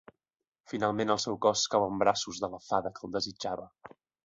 Finalment el seu cos cau en braços de la fada que el desitjava.